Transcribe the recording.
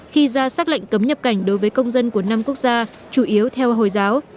khi ra xác lệnh cấm nhập cảnh đối với công dân của năm quốc gia chủ yếu theo hồi giáo